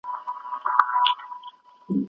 ایا کورني سوداګر چارمغز اخلي؟